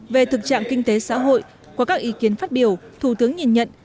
về thực trạng kinh tế xã hội qua các ý kiến phát biểu thủ tướng nhìn nhận